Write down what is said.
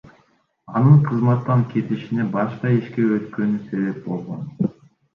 Анын кызматтан кетишине башка ишке өткөнү себеп болгон.